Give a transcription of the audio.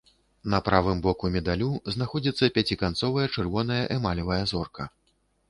На правым боку медалю знаходзіцца пяціканцовая чырвоная эмалевая зорка.